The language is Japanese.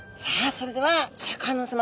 それではシャーク香音さま